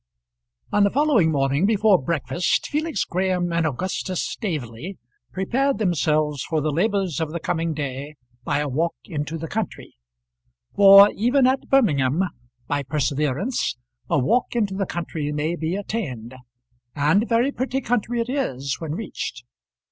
On the following morning, before breakfast, Felix Graham and Augustus Staveley prepared themselves for the labours of the coming day by a walk into the country; for even at Birmingham, by perseverance, a walk into the country may be attained, and very pretty country it is when reached.